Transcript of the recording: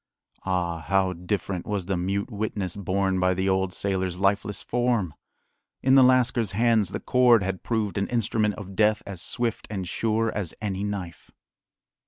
Ah, how different was the mute witness borne by the old sailor's lifeless form! In the lascar's hands the cord had proved an instrument of death as swift and sure as any knife.